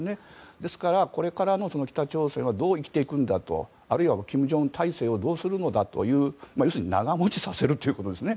ですから、これから北朝鮮はどう生きていくんだ金正恩体制をどうするのか要は長持ちさせるということですね。